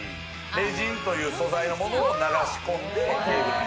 レジンという素材のものを流し込んで。